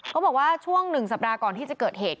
บอกว่าช่วง๑สัปดาห์ก่อนที่จะเกิดเหตุ